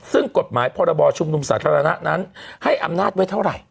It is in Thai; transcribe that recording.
ซึ่งกฎหมายพรบชุมนุมสาธารณะนั้นให้อำนาจไว้เท่าไหร่